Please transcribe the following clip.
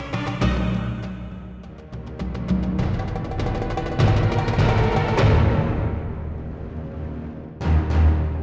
terima kasih sekali